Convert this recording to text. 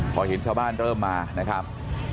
พอเห็นชาวบ้านเริ่มมานะครับ